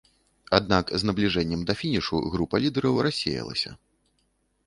Аднак з набліжэннем да фінішу група лідэраў рассеялася.